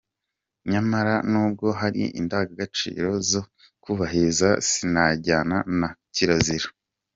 Nyamara n’ubwo hari indangagaciro zo kubahiriza zinajyana na kirazira.